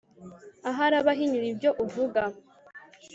hari abahinyura ibyo uvuga